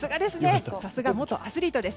さすが元アスリートです。